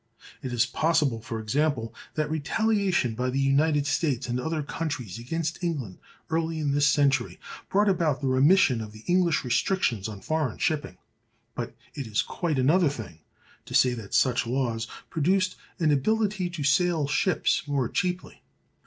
It is possible, for example, that retaliation by the United States and other countries against England early in this century brought about the remission of the English restrictions on foreign shipping. But it is quite another thing to say that such laws produced an ability to sail ships more cheaply.